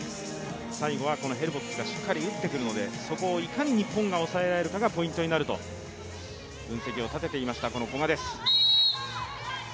最後はヘルボッツがしっかり打ってくるのでそこをいかに日本が抑えられるかがポイントになると分析を立てていました古賀です。